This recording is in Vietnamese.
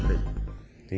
chúng tôi nhận định